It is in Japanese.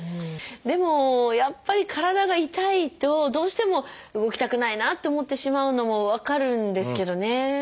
でもやっぱり体が痛いとどうしても動きたくないなって思ってしまうのも分かるんですけどね。